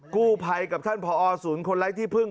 กู้ภัยกับท่านผอศูนย์คนไร้ที่พึ่ง